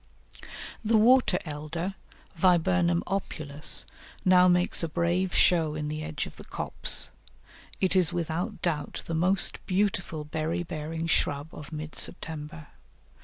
The Water elder (Viburnum opulus) now makes a brave show in the edge of the copse. It is without doubt the most beautiful berry bearing shrub of mid September.